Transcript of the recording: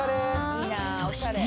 そして。